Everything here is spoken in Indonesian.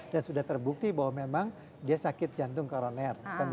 dan sudah terbukti bahwa memang dia sakit jantung koroner